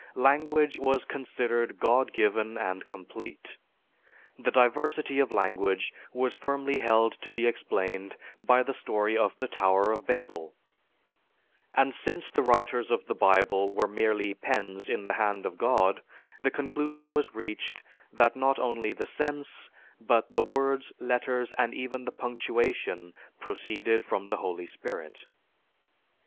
Language was considered God given and complete. The diversity of language was firmly held to be explained by the story of the Tower of Babel; and since the writers of the Bible were merely pens in the hand of God the conclusion was reached that not only the sense, but the words, letters, and even the punctuation proceeded from the Holy Spirit.